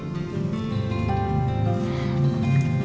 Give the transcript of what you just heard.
ya kita beres beres dulu